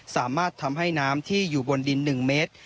สามารถทำให้น้ำที่อยู่บนดิน๑เมตร